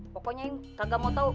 pokoknya kagak mau tau